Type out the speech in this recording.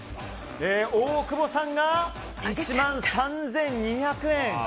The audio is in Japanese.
大久保さんが１万３２００円。